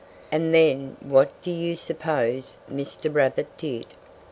And then what do you suppose Mr. Rabbit did?